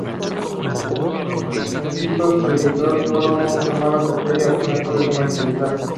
El disco se editó sólo en formato cassette y apenas fue comercializado.